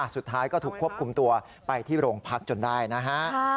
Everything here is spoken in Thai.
สุดท้ายก็ถูกควบคุมตัวไปที่โรงพักจนได้นะฮะ